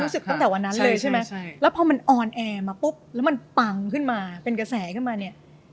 ตั้งแต่วันนั้นเลยใช่ไหมแล้วพอมันออนแอร์มาปุ๊บแล้วมันปังขึ้นมาเป็นกระแสขึ้นมาเนี่ย